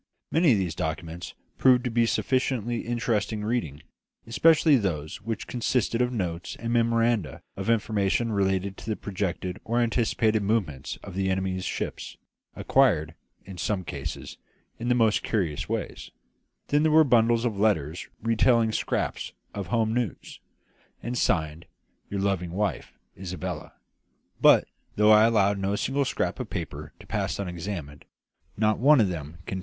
Many of the documents proved to be sufficiently interesting reading, especially those which consisted of notes and memoranda of information relating to the projected or anticipated movements of the enemy's ships, acquired, in some cases, in the most curious way. Then there were bundles of letters retailing scraps of home news, and signed "Your loving wife, Isabella." But, though I allowed no single scrap of paper to pass unexamined, not one of them contained the most remote reference to any such matter as buried treasure.